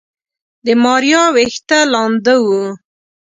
د ماريا ويښته لنده وه.